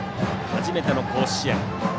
初めての甲子園。